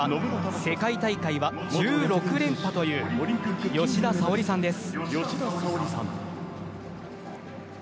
世界大会は１６連覇という吉田沙保里さんです。